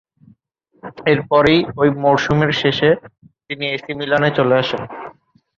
এরপরেই ওই মরসুমের শেষে তিনি এ সি মিলানে চলে আসেন।